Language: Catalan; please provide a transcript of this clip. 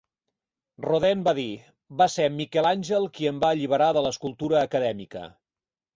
Rodin va dir: "Va ser Miquel Àngel qui em va alliberar de l'escultura acadèmica".